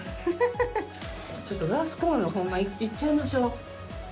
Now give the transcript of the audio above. ちょっとガスコンロホンマいっちゃいましょう。